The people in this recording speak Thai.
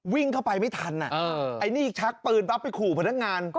วิ่งเข้าไปไม่ทันไอ้นี่ชักปืนปั๊บไปขู่พนักงาน